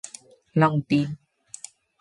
lòng tin